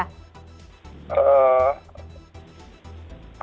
hari ini agenda kami